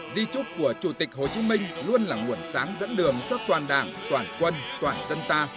di trúc của chủ tịch hồ chí minh luôn là nguồn sáng dẫn đường cho toàn đảng toàn quân toàn dân ta